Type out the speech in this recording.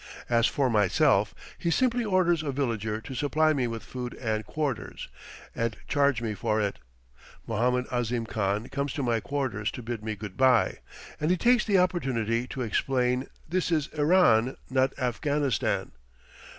As for myself, he simply orders a villager to supply me with food and quarters, and charge me for it. Mohammed Ahzim Khan comes to my quarters to bid me good by, and he takes the opportunity to explain "this is Iran, not Afghanistan.